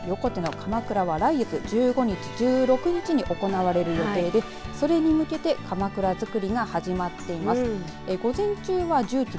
横手のかまくらは来月１５日、１６日に行われる予定でそれに向けてかまくらづくりが始まっています。